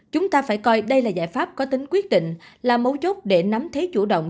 chúng ta phải coi đây là giải pháp có tính quyết định là mấu chốt để nắm thế chủ động